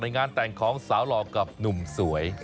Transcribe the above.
งานแต่งของสาวหล่อกับหนุ่มสวย